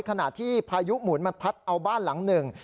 ขณะที่พายุหมุนมันพัดเอาบ้านหลังหนึ่ง